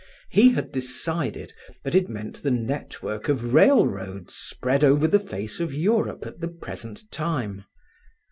He had decided that it meant the network of railroads spread over the face of Europe at the present time.